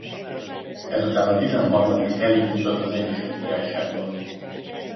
Ezután a tizenharmadik helig jutott az Egyesült Királyságban.